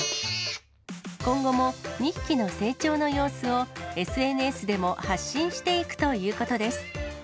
今後も２匹の成長の様子をＳＮＳでも発信していくということです。